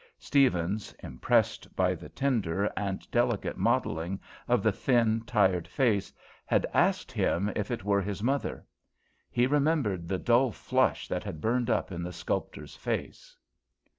Steavens, impressed by the tender and delicate modelling of the thin, tired face, had asked him if it were his mother. He remembered the dull flush that had burned up in the sculptor's face.